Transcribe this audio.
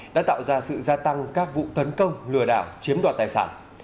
đã tạo ra sự gia tăng các vụ tấn công lừa đảo chiếm đoạt tài sản